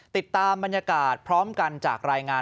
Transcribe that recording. ติดตามบรรยากาศพร้อมกันจากรายงาน